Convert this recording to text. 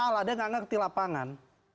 salah dia gak ngerti lapangan